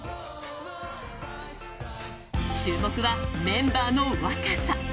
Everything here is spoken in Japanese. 注目は、メンバーの若さ。